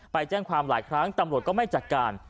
ไปแจ้งความหลายครั้งตำรวจก็ไม่จัดการ